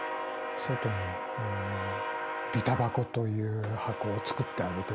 外にあのビタバコという箱を作ってあげてですね